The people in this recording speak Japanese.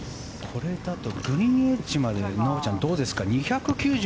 これだとグリーンエッジまで信ちゃん、どうですか。